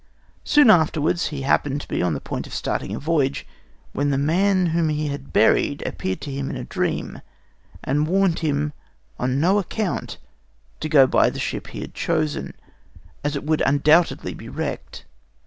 Soon afterwards he happened to be on the point of starting on a voyage, when the man whom he had buried appeared to him in a dream, and warned him on no account to go by the ship he had chosen, as it would undoubtedly be wrecked.